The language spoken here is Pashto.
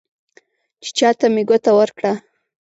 چې چا ته مې ګوته ورکړه،